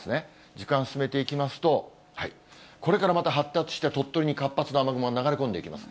時間進めていきますと、これからまた発達して鳥取に活発な雨雲が流れ込んでいきます。